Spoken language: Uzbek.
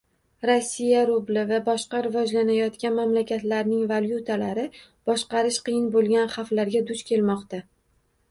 Rossiya rubli va boshqa rivojlanayotgan mamlakatlarning valyutalari boshqarish qiyin bo'lgan xavflarga duch kelmoqda